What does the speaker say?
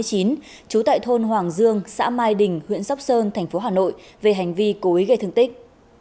trú tại thôn hoàng dương xã mai đình huyện sóc sơn thành phố hà nội về hành vi cố ý gây thương tích